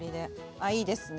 あいいですね。